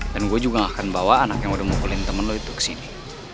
dan gue juga gak akan bawa anak yang udah mukulin temen lo itu kesini